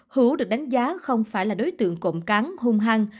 hữu được đánh giá không phải là đối tượng cộng cán hung hăng